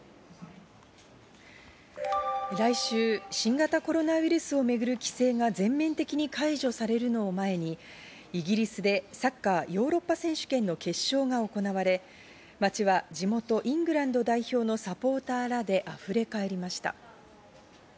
来週、新型コロナウイルスをめぐる規制が全面的に解除されるのを前にイギリスでサッカーヨーロッパ選手権の決勝が行われ、街は地元イングランド代表のサポーターらで溢れかえりました。